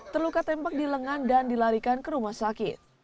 terluka tembak di lengan dan dilarikan ke rumah sakit